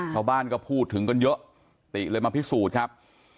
ชาวบ้านก็พูดถึงกันเยอะติเลยมาพิสูจน์ครับ